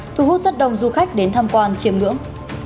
thu hút rất đông du khách đến tham quan chiêm ngưỡng